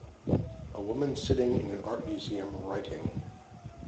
A woman sitting in an art museum writing